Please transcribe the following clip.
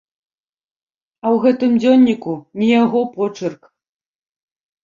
А ў гэтым дзённіку не яго почырк.